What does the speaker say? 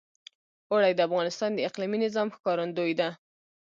اوړي د افغانستان د اقلیمي نظام ښکارندوی ده.